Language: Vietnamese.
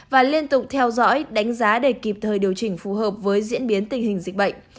và liên tục theo dõi đánh giá để kịp thời điều chỉnh phù hợp với diễn biến tình hình dịch bệnh